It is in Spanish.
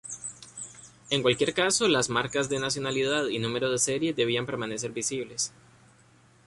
En cualquier caso, las marcas de nacionalidad y número de serie debían permanecer visibles.